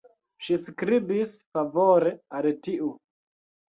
Ŝi skribis favore al tiu.